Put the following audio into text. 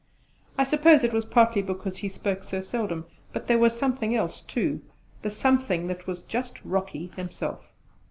I suppose it was partly because he spoke so seldom: but there was something else too the something that was just Rocky himself.